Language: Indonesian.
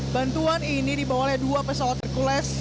bantuan ini dibawalah dua pesawat hercules